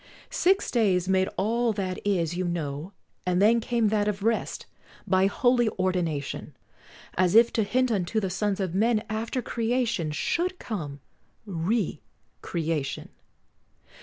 Six days made all that is, you know, and then Came that of rest by holy ordination, As if to hint unto the sons of men, After creation should come re creation.